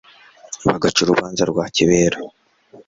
bagaca urubanza rwa kibera